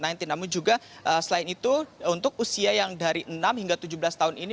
namun juga selain itu untuk usia yang dari enam hingga tujuh belas tahun ini